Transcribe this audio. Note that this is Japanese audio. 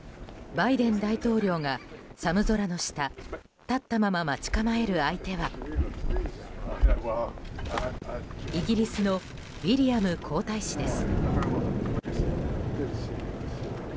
バイデン大統領が、寒空の下立ったまま待ち構える相手はイギリスのウィリアム皇太子です。